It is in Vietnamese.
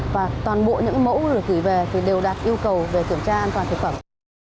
và toàn bộ những mẫu gửi về đều đạt yêu cầu về kiểm tra an toàn thực phẩm